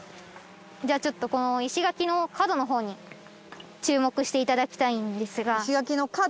じゃあちょっとこの石垣の角の方に注目して頂きたいんですが。石垣の角？